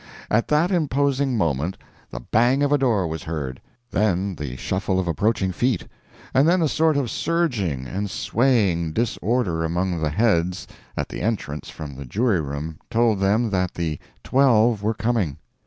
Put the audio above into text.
At that imposing moment the bang of a door was heard, then the shuffle of approaching feet, and then a sort of surging and swaying disorder among the heads at the entrance from the jury room told them that the Twelve were coming.